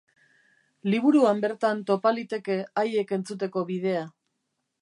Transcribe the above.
Liburuan bertan topa liteke haiek entzuteko bidea.